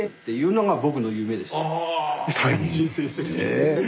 え。